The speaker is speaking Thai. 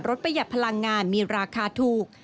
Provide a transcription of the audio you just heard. ประหยัดพลังงานมีราคาถูก